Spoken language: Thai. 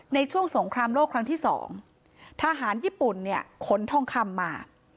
ในช่วงสงครามโลกครั้งที่สองทหารญี่ปุ่นเนี่ยขนทองคำมา